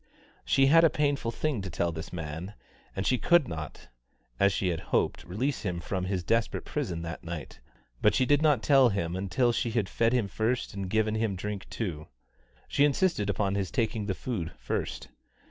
She had a painful thing to tell this man that she could not, as she had hoped, release him from his desperate prison that night; but she did not tell him until she had fed him first and given him drink too. She insisted upon his taking the food first.